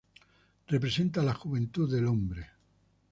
Representa la juventud del hombre.